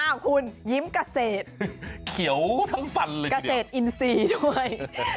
คุณยิ้มเกษตรเขียวทั้งฟันเลยเกษตรอินทรีย์ด้วย